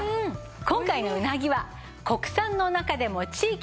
今回のうなぎは国産の中でも地域限定